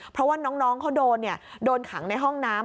เพราะว่าน้องเขาโดนโดนขังในห้องน้ำ